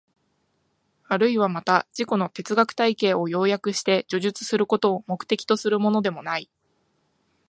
あるいはまた自己の哲学体系を要約して叙述することを目的とするものでもない。